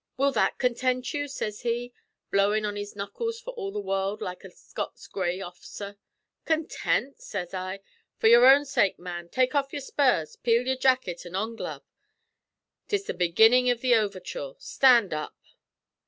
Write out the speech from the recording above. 'Will that content you?' sez he, blowin' on his knuckles for all the world like a Scots Grays orf'cer. 'Content?' sez I. 'For your own sake, man, take off your spurs, peel your jackut, and onglove. 'Tis the beginnin' av the overture. Stand up!"